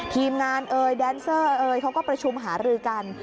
ทีมงานเอ่ยแดนเซอร์เอ่ยเขาก็ประชุมหารือกัน